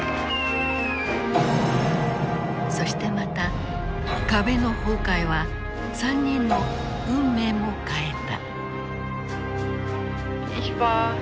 そしてまた壁の崩壊は３人の運命も変えた。